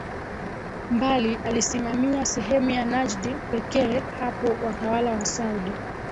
mbali alisimamia sehemu ya Najd pekee Hapo watawala wa Saudi